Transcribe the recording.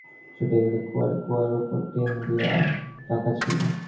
ছুটে গেল কুয়ার কুয়ার উপর টিন দিয়া ঢাকা ছিল।